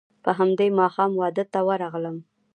په همدې ماښام واده ته ورغلم.